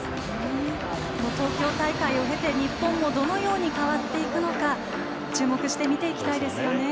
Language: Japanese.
東京大会を経て日本もどのように変わっていくのか注目して見ていきたいですね。